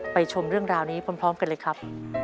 ชมเรื่องราวนี้พร้อมกันเลยครับ